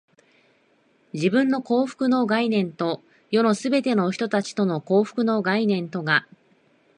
自分の幸福の観念と、世のすべての人たちの幸福の観念とが、